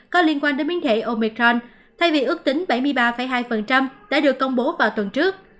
có liên quan đến biến thể omecron thay vì ước tính bảy mươi ba hai đã được công bố vào tuần trước